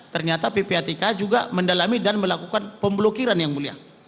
ternyata ppatk juga mendalami dan melakukan pemblokiran yang mulia